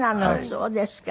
そうですか。